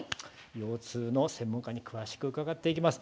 腰痛の専門家に詳しく伺っていきます。